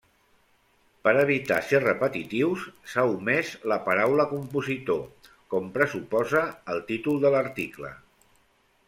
Per evitar ser repetitius s'ha omès la paraula compositor, com pressuposa el títol de l'article.